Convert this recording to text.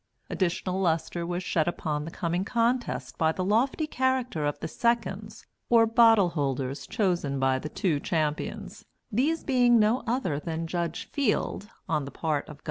Additional lustre was shed upon the coming contest by the lofty character of the seconds or bottle holders chosen by the two champions, these being no other than Judge Field (on the part of Gov.